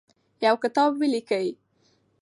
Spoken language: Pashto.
یو کتاب ولیکئ.